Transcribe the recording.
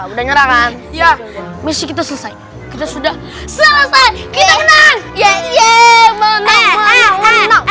udah nyerah kan ya masih kita selesai sudah selesai kita menang ya